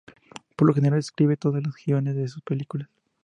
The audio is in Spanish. Por lo general escribe todos los guiones de sus películas.